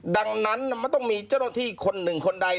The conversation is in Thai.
ดังนั้นมันต้องมีเจ้าหน้าที่คนหนึ่งคนใด